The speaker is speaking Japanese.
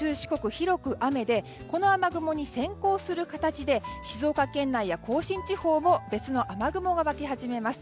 広く雨でこの雨雲に先行する形で静岡県内や甲信地方も別の雨雲が湧き始めます。